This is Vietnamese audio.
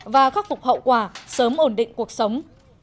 và khắc phục hậu quả sớm ổn định cuộc sống